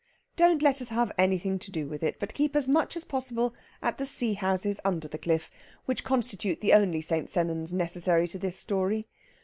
Don't let us have anything to do with it, but keep as much as possible at the Sea Houses under the cliff, which constitute the only St. Sennans necessary to this story.